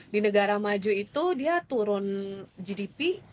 di negara maju itu dia turun gdp